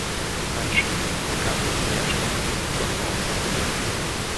Anschließend begann die Herstellung des Überbaus.